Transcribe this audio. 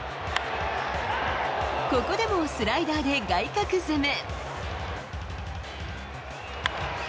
ここでもスライダーで外角攻め。